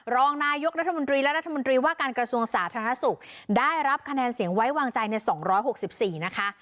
รองนายกรัฐมนตรีและรัฐมนตรีว่าการกระทรวงสาธารณสุขได้รับคะแนนเสียงไว้วางใจใน๒๖๔นะคะ